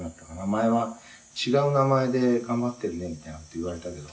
「前は違う名前で“頑張ってるね”みたいな事言われたけど」